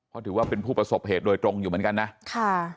เพราะถือว่าเป็นผู้ประสบเหตุโดยตรงอยู่เหมือนกันนะค่ะ